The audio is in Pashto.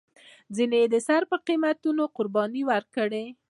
ځینو یې د سر په قیمتونو قربانۍ ورکړې.